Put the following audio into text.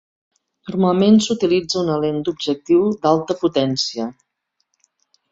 Normalment s'utilitza una lent d'objectiu d'alta potència.